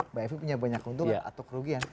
mbak evi punya banyak keuntungan atau kerugian